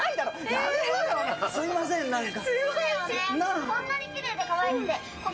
やめろよ、すいません、なんか。